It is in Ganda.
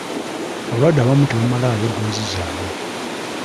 Abalwadde abamu tebamalaayo ddoozi zaabwe.